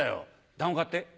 「団子買って」